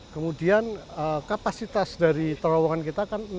kemudian kapasitas dari terowongan kita kan